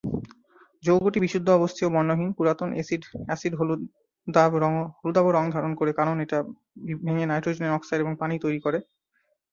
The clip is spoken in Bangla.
যৌগটি বিশুদ্ধ অবস্থায় বর্ণহীন, পুরাতন এসিড হলুদাভ রঙ ধারণ করে কারণ এটা ভেঙে নাইট্রোজেনের অক্সাইড এবং পানি তৈরি করে।